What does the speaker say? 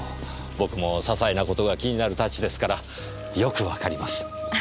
僕もささいなことが気になる性質ですからよくわかります。